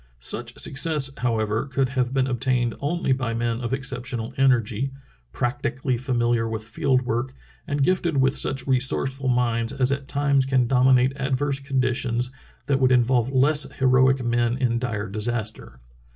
Such success, however, could have been obtained only by men of exceptional energy, Schwatka's Summer Search 327 practically familiar with field work, and gifted with such resourceful minds as at times can dominate ad verse conditions that would involve less heroic men in dire disaster.